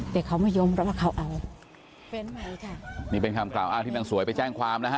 แต่เขาไม่ยอมรับว่าเขาเอาแฟนใหม่ค่ะนี่เป็นคำกล่าวอ้างที่นางสวยไปแจ้งความนะฮะ